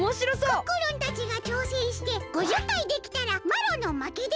クックルンたちがちょうせんして５０回できたらまろのまけでおじゃる。